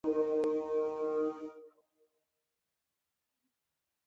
د هیڅ ټاکلي مودې لپاره به مالي سبسایډي نه ورکول کېږي.